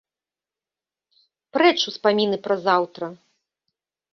Прэч успаміны пра заўтра.